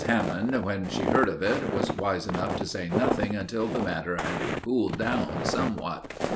Hammond, when she heard of it, was wise enough to say nothing until the matter had cooled down somewhat.